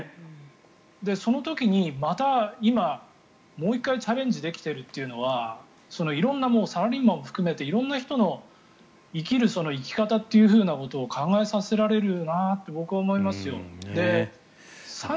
その時にまた今、もう１回チャレンジできているというのはサラリーマンを含めて色んな人の生きる生き方ということを考えさせられるなと僕は思いますよ。